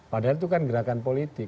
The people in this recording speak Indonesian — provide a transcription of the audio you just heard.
padahal itu kan gerakan politik